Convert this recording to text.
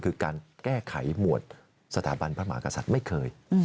คือการแก้ไขหมวดสถาบันพระมหากษัตริย์ไม่เคย